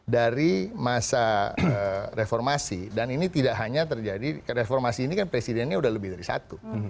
dari masa reformasi dan ini tidak hanya terjadi reformasi ini kan presidennya sudah lebih dari satu